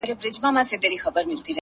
خو كله !! كله مي بيا!!